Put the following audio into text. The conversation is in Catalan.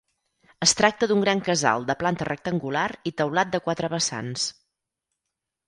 Es tracta d'un gran casal de planta rectangular i teulat de quatre vessants.